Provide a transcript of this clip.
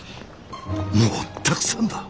もうたくさんだ。